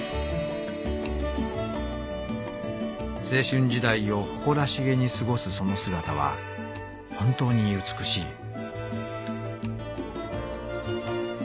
「青春時代をほこらしげにすごすそのすがたは本当にうつくしい」。